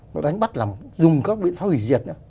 nó đánh bắt dùng các biển phá hủy diệt